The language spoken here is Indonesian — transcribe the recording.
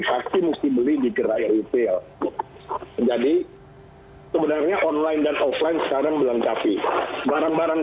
pasti mesti beli di gerai retail jadi sebenarnya online dan offline sekarang dilengkapi barang barang